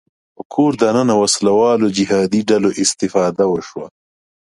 په کور دننه وسله والو جهادي ډلو استفاده وشوه